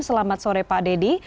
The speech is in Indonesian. selamat sore pak dedy